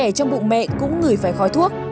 trẻ trong bụng mẹ cũng ngửi phải khói thuốc